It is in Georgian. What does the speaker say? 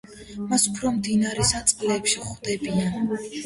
მას უფრო მდინარის წყლებში ხვდებიან.